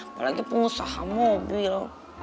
apalagi pengusaha mobil